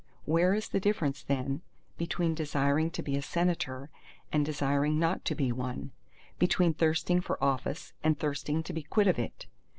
Where is the difference then between desiring to be a Senator, and desiring not to be one: between thirsting for office and thirsting to be quit of it?